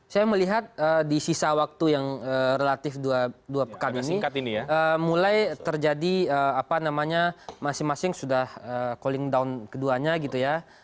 saya melihat di sisa waktu yang relatif dua pekan ini mulai terjadi apa namanya masing masing sudah calling down keduanya gitu ya